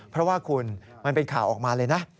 เพราะว่าคุณมันเป็นข่าวออกมาเลยนะ